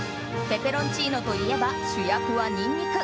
ペペロンチーノといえば主役はニンニク。